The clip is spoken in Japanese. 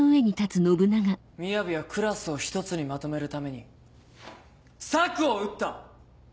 みやびはクラスを一つにまとめるために策を打った！